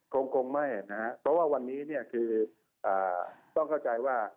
กลงไม่เพราะว่าวันนี้คือต้องเข้าใจว่า